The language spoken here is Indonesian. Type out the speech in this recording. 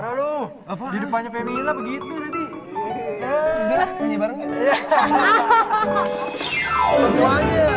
tidak apa apa tak bisa kau salahkan